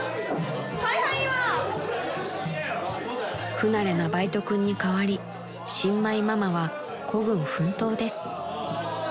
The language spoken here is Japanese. ［不慣れなバイト君に代わり新米ママは孤軍奮闘です］